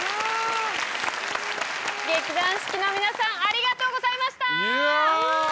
劇団四季の皆さんありがとうございました！